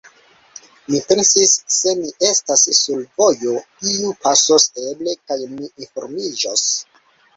Mi pensis: «Se mi estas sur vojo, iu pasos eble, kaj mi informiĝos. »